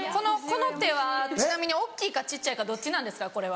この手はちなみに大っきいか小っちゃいかどっちなんですか？